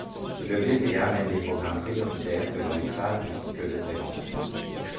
Le bpa mène des programmes prioritaires selon les phases du cycle de prévention.